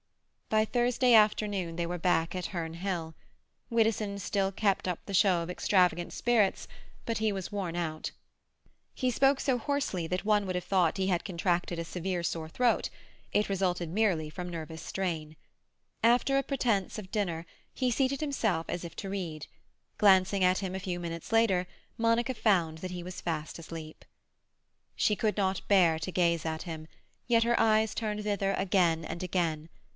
By Thursday afternoon they were back at Herne Hill. Widdowson still kept up the show of extravagant spirits, but he was worn out. He spoke so hoarsely that one would have thought he had contracted a severe sore throat; it resulted merely from nervous strain. After a pretence of dinner, he seated himself as if to read; glancing at him a few minutes later, Monica found that he was fast asleep. She could not bear to gaze at him, yet her eyes turned thither again and again.